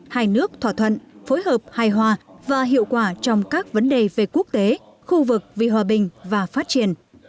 hai nước thỏa thuận phối hợp hài hòa và hiệu quả trong các vấn đề về quốc tế khu vực vì hòa bình và phát triển